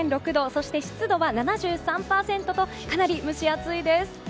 そして、湿度は７３％とかなり蒸し暑いです。